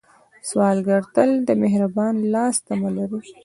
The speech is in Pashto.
سوالګر تل د مهربان لاس تمه لري